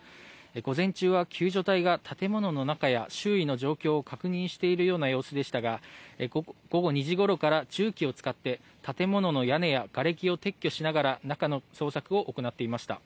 午前中は救助隊が建物の中や周囲の状況を確認しているような様子でしたが午後２時ごろから重機を使って建物の屋根やがれきを撤去しながら中の捜索を行っていました。